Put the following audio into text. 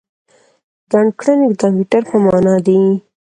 ګڼکړنی د کمپیوټر په مانا دی.